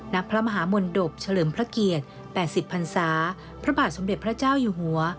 พระมหามนตบเฉลิมพระเกียรติ๘๐พันศาพระบาทสมเด็จพระเจ้าอยู่หัว